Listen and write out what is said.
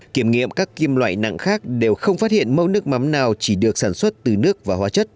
kiểm nghiệm các kim loại nặng khác đều không phát hiện mẫu nước mắm nào chỉ được sản xuất từ nước